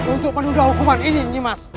untuk menunda hukuman ini nyi mas